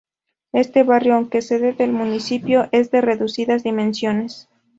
Este barrio, aunque sede del municipio, es de reducidas dimensiones.